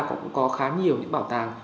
cũng có khá nhiều những bảo tàng